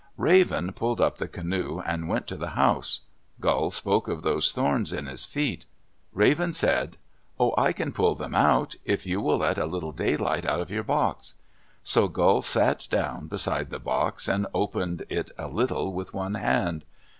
Raven pulled up the canoe and went to the house. Gull spoke of those thorns in his feet. Raven said, "Oh, I can pull them out, if you will let a little daylight out of your box." So Gull sat down beside the box and opened it a little with one hand.